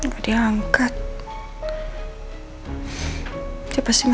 gua bisa ke panti